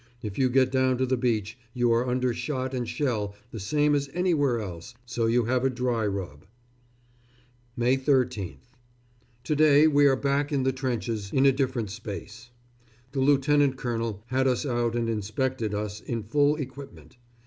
If you get down to the beach you are under shot and shell the same as anywhere else, so you have a dry rub. May 13th. To day we are back in the trenches in a different space. The Lieutenant Colonel had us out and inspected us in full equipment.